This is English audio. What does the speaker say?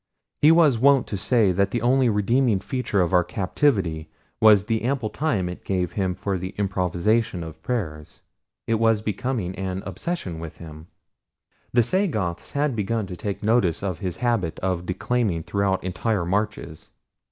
He was wont to say that the only redeeming feature of our captivity was the ample time it gave him for the improvisation of prayers it was becoming an obsession with him. The Sagoths had begun to take notice of his habit of declaiming throughout entire marches.